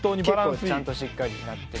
結構ちゃんとしっかりなってる。